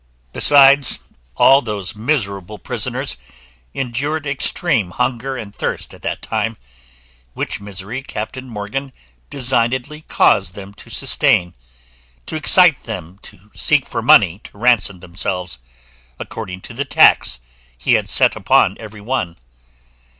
Besides, all those miserable prisoners endured extreme hunger and thirst at that time, which misery Captain Morgan designedly caused them to sustain, to excite them to seek for money to ransom themselves, according to the tax he had set upon every one.